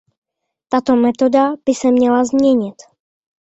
Tato metoda by se měla změnit.